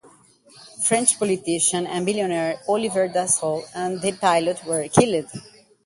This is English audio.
French politician and billionaire Olivier Dassault and the pilot were killed.